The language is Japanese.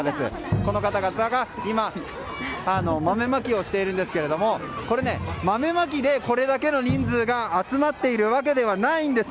この方々が豆まきをしているんですが豆まきでこれだけの人数が集まっているわけではないんです。